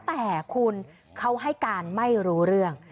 แต่คุณเขาให้การไม่รู้เรื่อง